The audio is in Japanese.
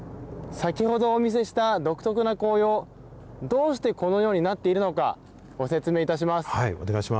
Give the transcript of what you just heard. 先ほどお店した独特な紅葉どうしてこのようになっているのかご説明いたします。